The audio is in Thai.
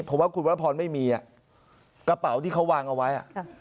เพราะว่าคุณวรพรไม่มีอ่ะกระเป๋าที่เขาวางเอาไว้